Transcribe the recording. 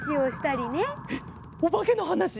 えっおばけのはなし？